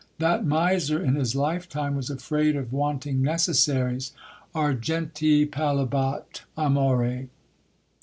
That miser, in his lifetime, was afraid of wanting necessaries — Argenti pallebat amore.